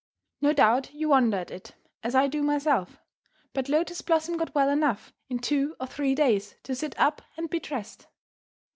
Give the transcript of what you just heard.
No doubt you wonder at it, as I do myself, but Lotus Blossom got well enough in two or three days to sit up and be dressed.